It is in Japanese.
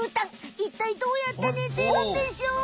いったいどうやって寝てるんでしょう？